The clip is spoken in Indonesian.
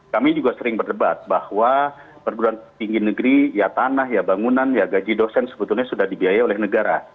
kami juga sering berdebat bahwa perguruan tinggi negeri ya tanah ya bangunan ya gaji dosen sebetulnya sudah dibiaya oleh negara